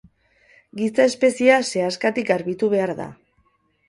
Giza espeziea sehaskatik garbitu behar da.